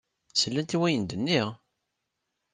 Slant i wayen ay d-nniɣ?